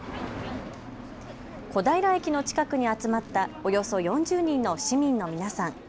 小平駅の近くに集まったおよそ４０人の市民の皆さん。